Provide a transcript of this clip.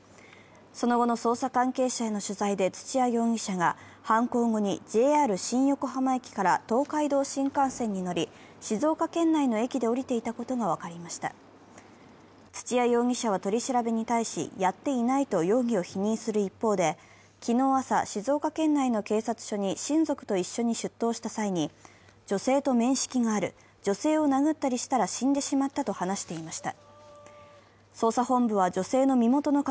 その後の捜査関係者への取材で土屋容疑者が犯行後にＪＲ新横浜駅から東海道新幹線に乗り、静岡県内の駅で降りていたことが分かりました土屋容疑者は取り調べに対し、やっていないと容疑を否認する一方で、昨日朝、静岡県内の警察署に親族と一緒に出頭した際に女性と面識がある、女性を殴ったりしたら死んでしまったと話していました。